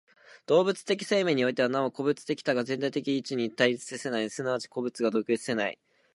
動物的生命においては、なお個物的多が全体的一に対立せない、即ち個物が独立せない。